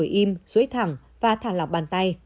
ngủ im dưới thẳng và thả lọc bàn tay